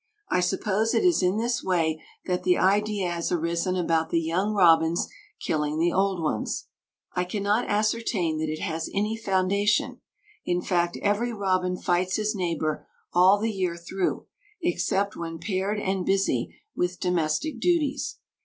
I suppose it is in this way that the idea has arisen about the young robins killing the old ones; I cannot ascertain that it has any foundation in fact, every robin fights his neighbour all the year through, except when paired and busy with domestic duties.